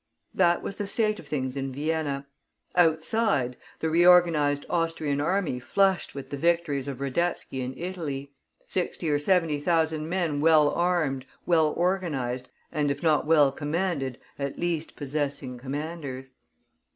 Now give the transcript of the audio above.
That was the state of things in Vienna. Outside, the reorganized Austrian army flushed with the victories of Radetzky in Italy; sixty or seventy thousand men well armed, well organized, and if not well commanded at least possessing commanders.